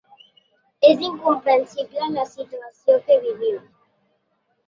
És incomprensible la situació que vivim.